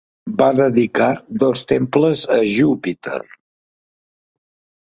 Va dedicar dos temples a Júpiter.